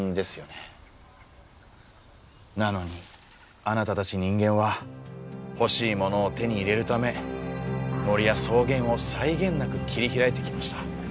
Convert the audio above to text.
なのにあなたたち人間は欲しいものを手に入れるため森や草原を際限なく切り開いてきました。